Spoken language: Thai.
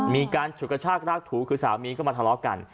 มีการฉุดกระชากรากถูคือสามีก็มาทะเลาะกัน